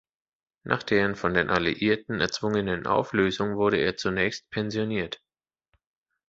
Nach deren von den Alliierten erzwungenen Auflösung wurde er zunächst pensioniert.